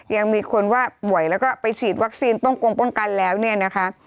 ยังมีคนว่าป่วยแล้วก็ไปฉีดวัคซีนป้องกงป้องกันแล้วเนี่ยนะคะ